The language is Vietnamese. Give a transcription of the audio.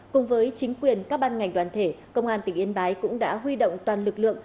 cùng với chính quyền các ban ngành đoàn thể công an tỉnh yên bái cũng đã huy động toàn lực lượng